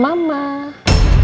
mungkin anda kesana